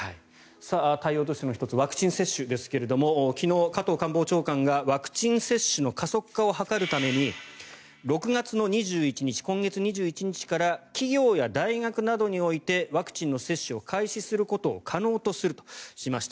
対応としての１つワクチン接種ですが昨日、加藤官房長官がワクチン接種の加速化を図るために６月２１日、今月２１日から企業や大学などにおいてワクチンの接種を開始することを可能とするとしました。